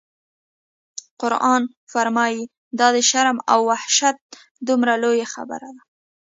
قرآن فرمایي: دا د شرم او وحشت دومره لویه خبره ده.